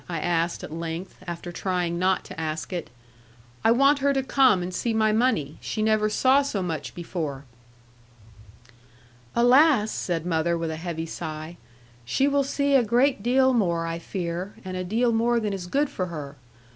I asked at length, after trying not to ask it; 'I want her to come, and see my money. She never saw so much before.' 'Alas!' said mother with a heavy sigh; 'she will see a great deal more, I fear; and a deal more than is good for her.